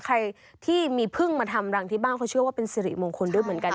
ใครที่มีพึ่งมาทำรังที่บ้านเขาเชื่อว่าเป็นสิริมงคลด้วยเหมือนกัน